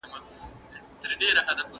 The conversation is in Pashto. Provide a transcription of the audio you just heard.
اوس نو دا باید وڅیړل سي، چي د "افغان" کلمه له